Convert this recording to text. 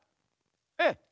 ええ。